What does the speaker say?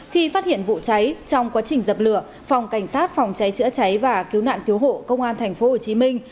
khi phát hiện vụ cháy trong quá trình dập lửa phòng cảnh sát phòng cháy chữa cháy và cứu nạn cứu hộ công an thành phố hồ chí minh